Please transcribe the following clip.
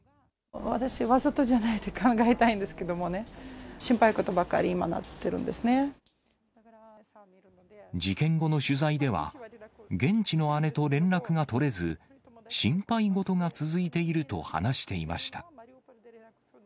私は、わざとじゃないと考えたいんですけど、心配事ばっかり、今、事件後の取材では、現地の姉と連絡が取れず、心配事が続いていると話していました。